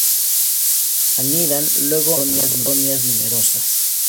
Anidan luego en colonias numerosas.